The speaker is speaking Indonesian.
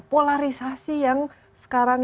polarisasi yang sekarang